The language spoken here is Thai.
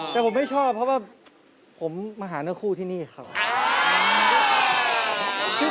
แต่ผมไม่ชอบเพราะว่าผมมาหาเนื้อคู่ที่นี่ครับ